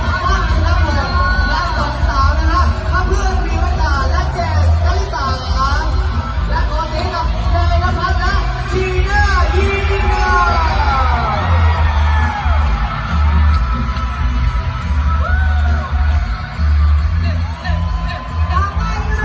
ต่อไปครับข้าพวกฟิกเกิร์ลและนีเซอร์นะคะขอเสียงให้ท่านมาให้กัน